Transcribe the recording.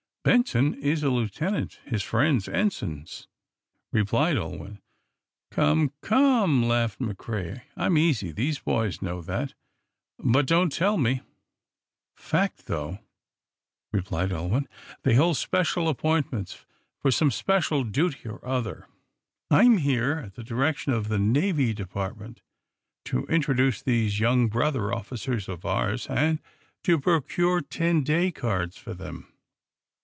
"Benson is a lieutenant, his friends ensigns," replied Ulwin. "Come, come!" laughed McCrea. "I'm easy these boys know that. But don't tell me " "Fact, though," replied Ulwin. "They hold special appointments, for some special duty or other. I'm here, at the direction of the Navy Department, to introduce these young brother officers of ours, and to procure ten day cards for them."